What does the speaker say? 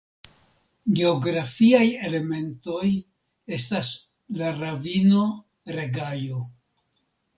Geografiaj elementoj estas la ravino Regajo.